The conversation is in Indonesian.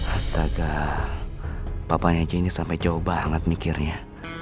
astaga papanya jeni sampai jauh banget mikirnya